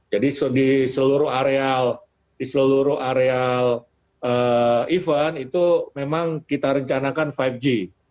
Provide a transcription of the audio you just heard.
jadi di seluruh areal event itu memang kita rencanakan lima g